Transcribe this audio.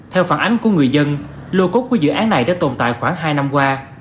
theo phản ánh của người dân lô cốt của dự án này đã tồn tại khoảng hai năm qua